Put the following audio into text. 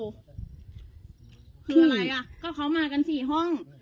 คืออะไรอ่ะก็เขามากัน๔ห้อง